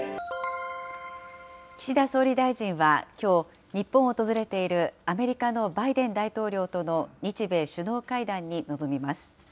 岸田総理大臣はきょう、日本を訪れているアメリカのバイデン大統領との日米首脳会談に臨みます。